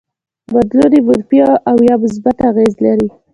بدلون يې منفي او يا مثبت اغېز لري.